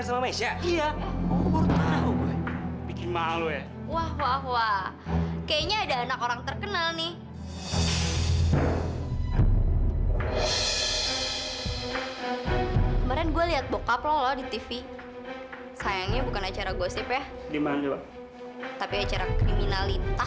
sampai jumpa di video selanjutnya